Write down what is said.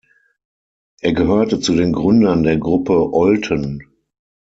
Er gehörte zu den Gründern der Gruppe Olten.